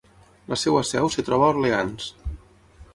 La seva seu es troba a Orleans.